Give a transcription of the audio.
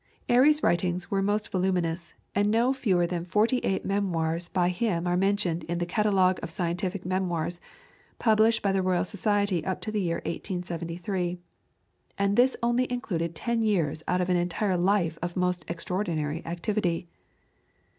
Airy's writings were most voluminous, and no fewer than forty eight memoirs by him are mentioned in the "Catalogue of Scientific Memoirs," published by the Royal Society up to the year 1873, and this only included ten years out of an entire life of most extraordinary activity.